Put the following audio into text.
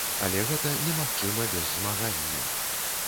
Але гэта немагчыма без змагання.